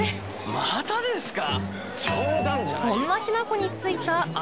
またですか？